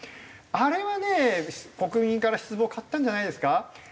あれはね国民から失望を買ったんじゃないですか？